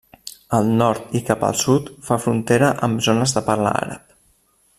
Al nord i cap al sud fa frontera amb zones de parla àrab.